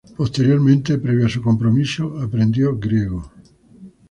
Posteriormente, previo a su compromiso, aprendió griego.